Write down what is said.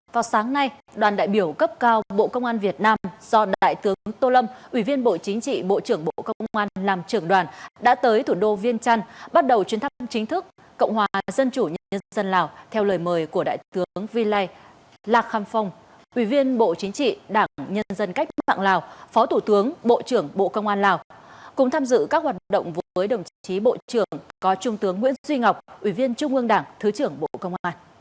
vào sáng nay đoàn đại biểu cấp cao bộ công an việt nam do đại tướng tô lâm ủy viên bộ chính trị bộ trưởng bộ công an làm trưởng đoàn đã tới thủ đô viên trăn bắt đầu chuyến thăm chính thức cộng hòa dân chủ nhân dân lào theo lời mời của đại tướng vy lai lạc kham phong ủy viên bộ chính trị đảng nhân dân cách bắc lào phó thủ tướng bộ trưởng bộ công an lào cùng tham dự các hoạt động với đồng chí bộ trưởng có trung tướng nguyễn duy ngọc ủy viên trung ương đảng thứ trưởng bộ công